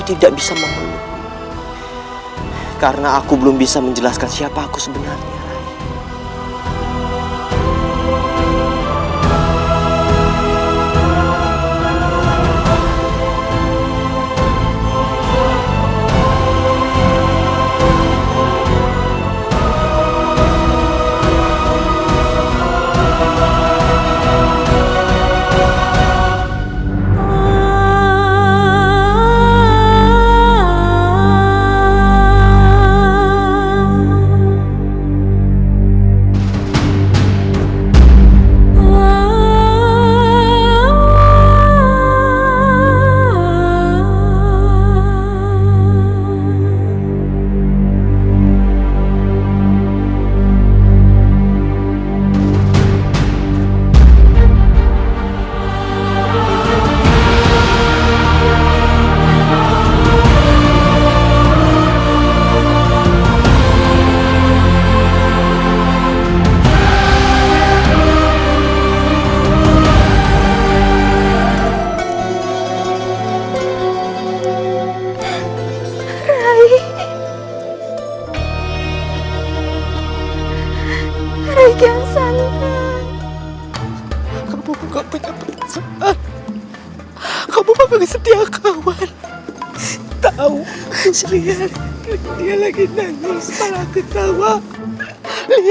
tidak mungkin raka sudah meninggal